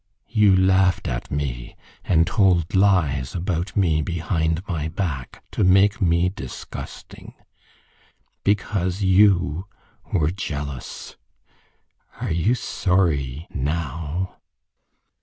. you laughed at me, and told lies about me behind my back, to make me disgusting ... because you were jealous ... are you sorry ... now?"